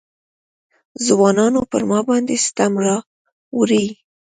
ځوانانو پر ما باندې ستم راوړی.